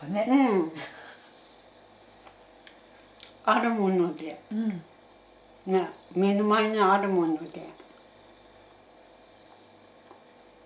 あるもので目の前にあるもので。